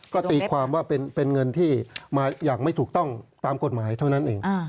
ก็ตีความว่าเป็นเงินที่มาอย่างไม่ถูกต้องตามกฎหมายเท่านั้นเอง